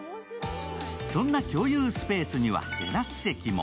そんな共有スペースにはテラス席も。